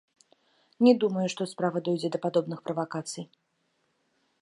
Не думаю, што справа дойдзе да падобных правакацый.